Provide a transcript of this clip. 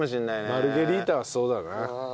マルゲリータはそうだな。